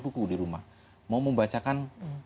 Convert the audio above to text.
buku di rumah mau membacakan